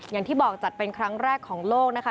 อย่างที่บอกจัดเป็นครั้งแรกของโลกนะคะ